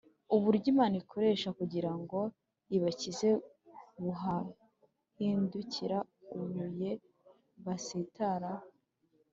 uburyo imana ikoresha kugira ngo ibakize bubahindukira ibuye basitaraho